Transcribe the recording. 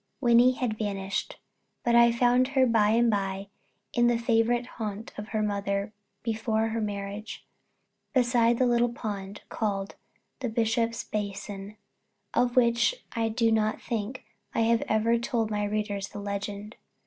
Wynnie had vanished; but I found her by and by in the favourite haunt of her mother before her marriage beside the little pond called the Bishop's Basin, of which I do not think I have ever told my readers the legend.